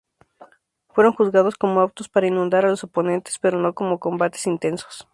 Fueron juzgados como aptos para inundar a los oponentes pero no como combates intensos.